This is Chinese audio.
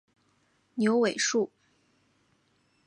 牛尾树